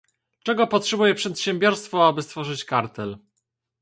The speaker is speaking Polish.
Czego potrzebuje przedsiębiorstwo aby stworzyć kartel?